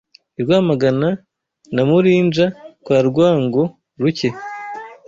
I Rwamagana na Murinja kwa Rwango-ruke